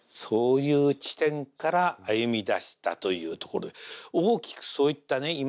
そういう地点から歩みだしたというところで大きくそういったね